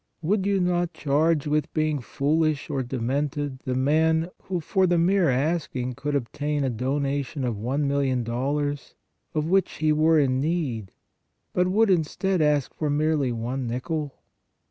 Would you not charge with being foolish or demented the man who for the mere asking could obtain a donation of one mil lion dollars, of which he were in need, but would, instead, ask for merely one nickel?